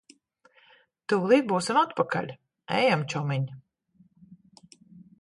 Tūlīt būsim atpakaļ. Ejam, čomiņ.